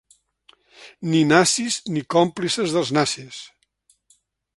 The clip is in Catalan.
Ni nazis ni còmplices dels nazis!